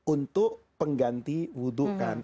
untuk pengganti wudhu kan